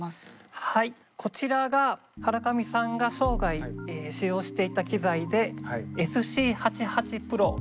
はいこちらがハラカミさんが生涯使用していた機材でＳＣ−８８Ｐｒｏ